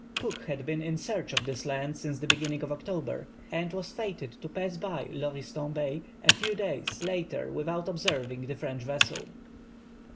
Cook had been in search of this land since the beginning of October, and was fated to pass by Lauriston Bay a few days later without observing the French vessel.